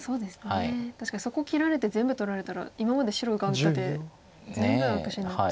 確かにそこ切られて全部取られたら今まで白が打った手全部悪手になっちゃう。